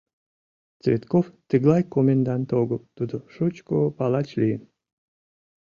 «Цветков тыглай комендант огыл, тудо шучко палач лийын.